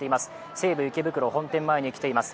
西武池袋本店に来ています。